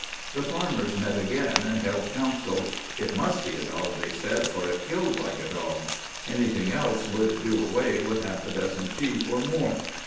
The farmers met again and held council. It must be a dog, they said, for it killed like a dog. Anything else would do away with half a dozen sheep, or more.